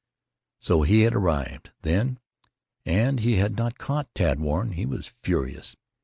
So he had arrived, then—and he had not caught Tad Warren. He was furious.